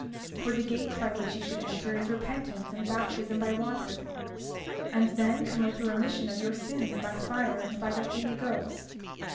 For the gate by which ye should enter is repentance and baptism by water; and then cometh a remission of your sins by fire and by the Holy Ghost.